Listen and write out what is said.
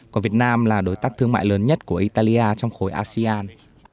còn việt nam là đối tác thương mại lớn nhất của italia trong khối asean